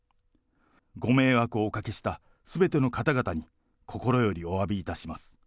ご迷惑をおかけしたすべての方々に、心よりおわびいたします。